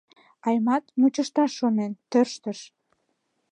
Аймат, мучышташ шонен, тӧрштыш.